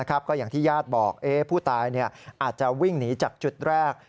ก็อย่างที่ญาติบอกผู้ตายอาจจะวิ่งหนีจากจุดแรก